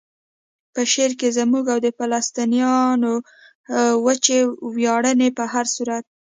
په شعر کې زموږ او د فلسطینیانو وچې ویاړنې په هر صورت.